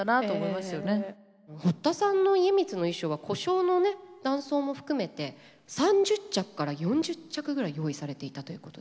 堀田さんの家光の衣装は小姓のね男装も含めて３０着から４０着ぐらい用意されていたということで。